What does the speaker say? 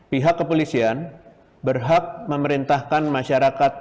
pihak kepolisian berhak memerintahkan masyarakat